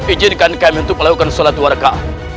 ijinkan kami untuk melakukan sholat warga